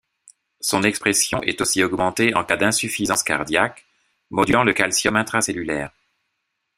Son expression est aussi augmentée en cas d'insuffisance cardiaque, modulant le calcium intra cellulaire.